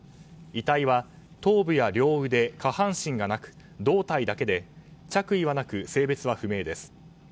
遺体は、頭部や両腕下半身がなく胴体だけで、着衣はなく性別は不明です。